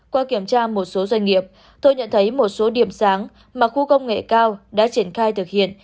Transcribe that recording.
qua kiểm tra một số doanh nghiệp tôi nhận thấy một số điểm sáng mà khu công nghệ cao đã triển khai thực hiện